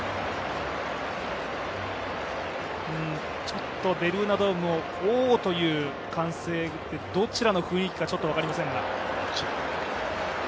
ちょっとベルーナドーム、おおっという歓声でどちらの雰囲気かちょっと分かりませんが。